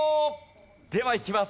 ではいきます。